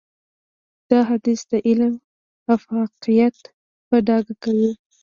دا حديث د علم افاقيت په ډاګه کوي.